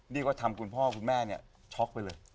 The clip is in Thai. นี่ก็ทำคุณพ่อคุณแม่เนี่ยช็อกไปเลย